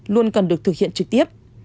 luôn cần được thực hiện trực tiếp